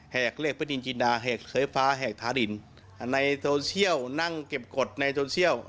แหกเล็กพฤติจินดาแหกเคยฟ้าแหกทาดินอ่าในโทเซียลนั่งเก็บกฎในโทเซียล